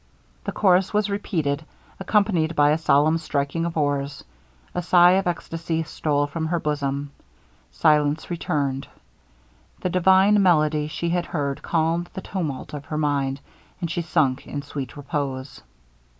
The chorus was repeated, accompanied by a solemn striking of oars. A sigh of exstacy stole from her bosom. Silence returned. The divine melody she had heard calmed the tumult of her mind, and she sunk in sweet repose.